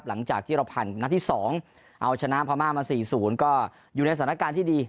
หลังจากที่เราผ่านนัดที่๒เอาชนะพม่ามา๔๐ก็อยู่ในสถานการณ์ที่ดี